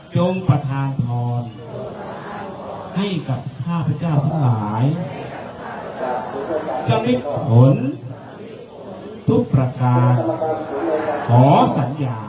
จงประธานทรให้กับ๕๙ทั้งหลายสมิทธุลทุกประการขอสัญญา